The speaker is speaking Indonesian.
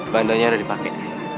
bantunya udah dipake